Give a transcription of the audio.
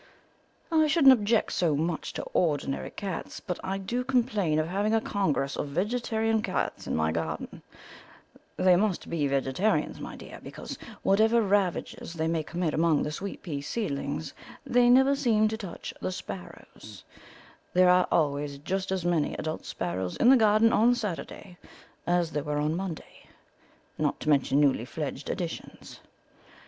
I shouldn't object so much to ordinary cats, but I do complain of having a congress of vegetarian cats in my garden; they must be vegetarians, my dear, because, whatever ravages they may commit among the sweet pea seedlings, they never seem to touch the sparrows; there are always just as many adult sparrows in the garden on Saturday as there were on Monday, not to mention newly fledged additions.